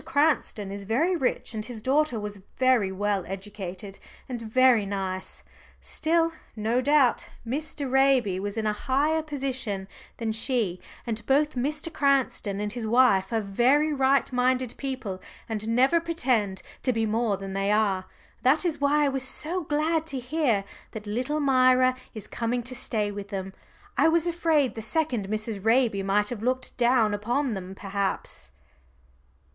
Cranston is very rich, and his daughter was very well educated and very nice. Still, no doubt Mr. Raby was in a higher position than she, and both Mr. Cranston and his wife are very right minded people, and never pretend to be more than they are. That is why I was so glad to hear that little Myra is coming to stay with them. I was afraid the second Mrs. Raby might have looked down upon them perhaps."